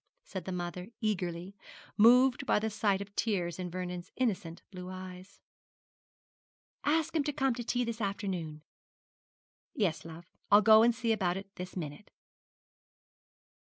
said the mother, eagerly, moved by the sight of tears in Vernon's innocent blue eyes. 'Ask him to come to tea this afternoon.' 'Yes, love; I'll go and see about it this minute.'